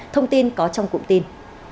thông tin có trong cụm tin